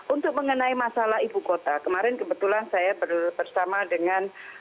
untuk mengenai masalah ibu kota kemarin kebetulan saya bersama dengan